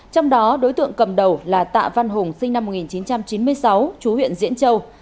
trong đó đối tượng cầm đầu là tạ văn hùng sinh năm một nghìn chín trăm chín mươi sáu chú huyện diễn châu